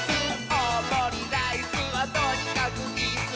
「おおもりライスはとにかくイス！」